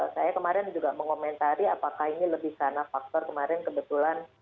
saya kemarin juga mengomentari apakah ini lebih karena faktor kemarin kebetulan